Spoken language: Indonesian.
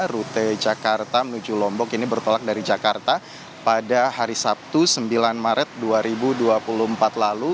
rute jakarta menuju lombok ini bertolak dari jakarta pada hari sabtu sembilan maret dua ribu dua puluh empat lalu